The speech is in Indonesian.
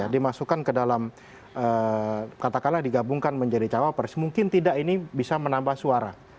dimasukkan ke dalam katakanlah digabungkan menjadi cawapres mungkin tidak ini bisa menambah suara